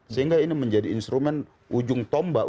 sehingga ini menjadi instrumen ujung tombak